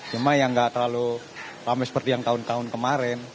cuma yang nggak terlalu rame seperti yang tahun tahun kemarin